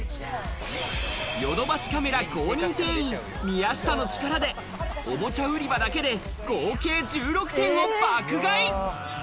ヨドバシカメラ公認店員・宮下の力でおもちゃ売り場だけで、合計１６点を爆買い。